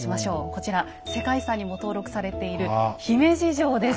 こちら世界遺産にも登録されている姫路城です。